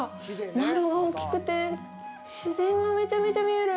窓が大きくて自然がめちゃめちゃ見える。